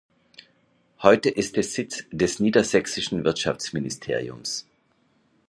Heute ist es Sitz des niedersächsischen Wirtschaftsministeriums.